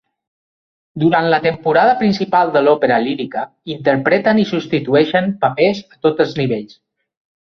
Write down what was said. Durant la temporada principal de l'òpera lírica, interpreten i substitueixen papers a tots els nivells.